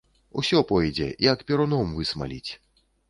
Усё пойдзе, як перуном высмаліць.